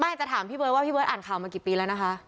จะถามพี่เบิร์ดว่าพี่เบิร์ดอ่านข่าวมากี่ปีแล้วนะคะ